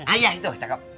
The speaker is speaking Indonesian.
ah iya itu cakep